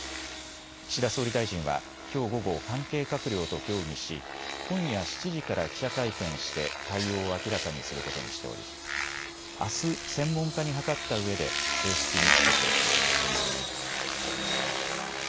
岸田総理大臣は、きょう午後関係閣僚と協議し今夜７時から記者会見して対応を明らかにすることにしておりあす専門家に諮ったうえで正式に決定する予定です。